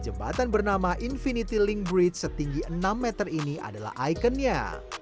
jembatan bernama infinity link bridge setinggi enam meter ini adalah ikonnya